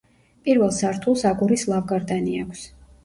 პირველ სართულს აგურის ლავგარდანი აქვს.